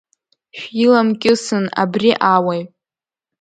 Шәиламкьысын абри ауаҩ.